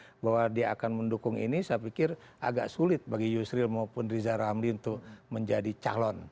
jadi kalau saya lihat dari beberapa survei saya pikir agak sulit bagi yusril maupun riza ramli untuk menjadi calon